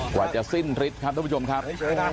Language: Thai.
กว่าจะสิ้นฤทธิ์ครับทุกผู้ชมครับ